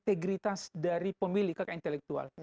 integritas dari pemilik kakak intelektual